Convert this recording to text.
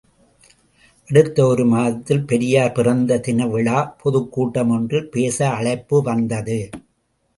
அடுத்த ஒரு மாதத்தில் பெரியார் பிறந்த தினவிழா பொதுக்கூட்டம் ஒன்றில் பேச அழைப்பு வந்தது.